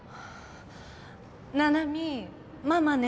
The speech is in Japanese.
七海ママね。